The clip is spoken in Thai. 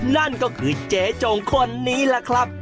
นั่นก็คือเจ๊จงคนนี้แหละครับ